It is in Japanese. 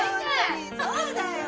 そうだよ。